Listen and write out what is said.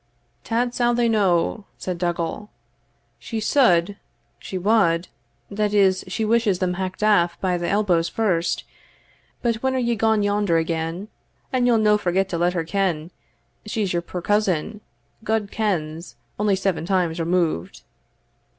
"Tat sall they no," said Dougal; "she suld she wad that is, she wishes them hacked aff by the elbows first But when are ye gaun yonder again? and ye'll no forget to let her ken she's your puir cousin, God kens, only seven times removed."